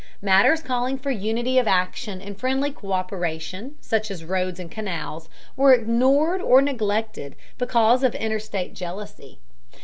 Matters calling for unity of action and friendly co÷peration, such as roads and canals, were ignored or neglected because of interstate jealousy.